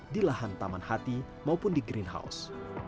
di lahan taman hati maupun di greenhouse